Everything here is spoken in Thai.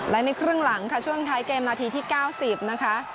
และในครึ่งหลังค่ะช่วงท้ายเกมนาทีที่๙๐นะคะ